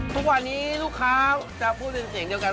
ทุกวันนี้ลูกค้าจะพูดเป็นเสียงเดียวกัน